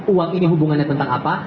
uang ini hubungannya tentang apa